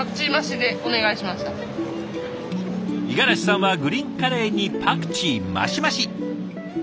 五十嵐さんはグリーンカレーにパクチー増し増し！